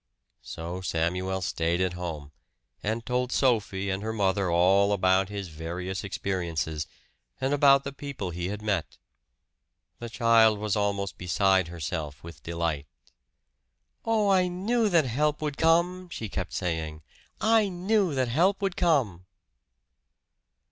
So Samuel stayed at home, and told Sophie and her mother all about his various experiences, and about the people he had met. The child was almost beside herself with delight. "Oh, I knew that help would come!" she kept saying, "I knew that help would come!"